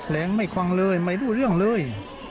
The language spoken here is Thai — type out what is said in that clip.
แรงไม่ฟังเลยไม่รู้เรื่องเลย